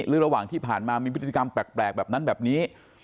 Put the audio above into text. ระหว่างที่ผ่านมามีพฤติกรรมแปลกแบบนั้นแบบนี้